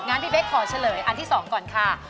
พี่เป๊กขอเฉลยอันที่๒ก่อนค่ะ